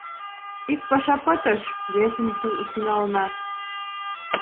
Ик паша пытыш, весым тӱҥалына...